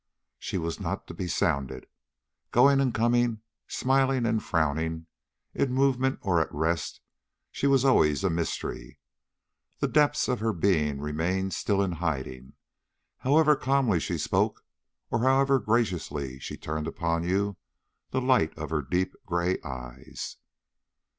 She was not to be sounded. Going and coming, smiling and frowning, in movement or at rest, she was always a mystery; the depths of her being remaining still in hiding, however calmly she spoke or however graciously she turned upon you the light of her deep gray eyes.